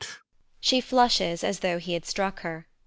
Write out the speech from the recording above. [She flushes as though he had struck her.